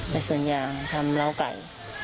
ไปสวนยางทำล้าวไก่